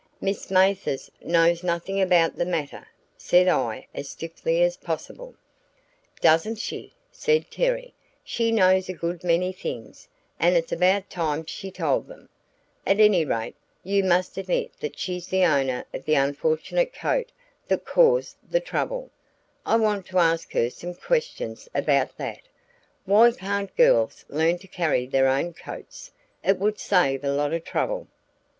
"Miss Mathers knows nothing about the matter," said I as stiffly as possible. "Doesn't she!" said Terry. "She knows a good many things, and it's about time she told them. At any rate, you must admit that she's the owner of the unfortunate coat that caused the trouble; I want to ask her some questions about that. Why can't girls learn to carry their own coats? It would save a lot of trouble."